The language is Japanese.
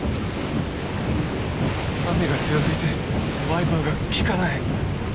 雨が強過ぎてワイパーが利かない。